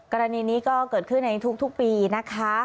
กรณีนี้ก็เกิดขึ้นในทุกปีนะคะ